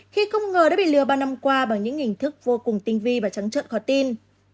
khi không ngờ đã bị lừa ba năm qua bằng những hình thức vô cùng tinh vi và trắng trợn khó tin